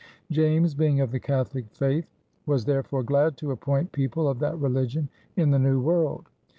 James, being of the Catholic faith, was therefore glad to appoint people of that religion in the New World.